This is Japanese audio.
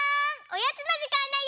おやつのじかんだよ！